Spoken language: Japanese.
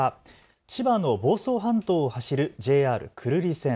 千葉の房総半島を走るＪＲ久留里線。